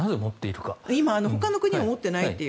今、他の国は持っていないという。